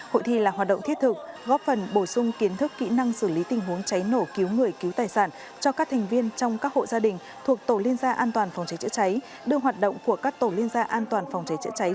hội thi là hoạt động thiết thực góp phần bổ sung kiến thức kỹ năng xử lý tình huống cháy nổ cứu người cứu tài sản cho các thành viên trong các hộ gia đình thuộc tổ liên gia an toàn phòng trái chữa trái